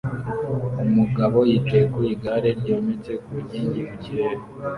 Umugabo yicaye ku igare ryometse ku nkingi mu kirere